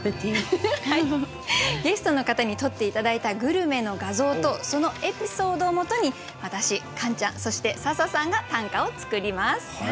ゲストの方に撮って頂いたグルメの画像とそのエピソードをもとに私カンちゃんそして笹さんが短歌を作ります。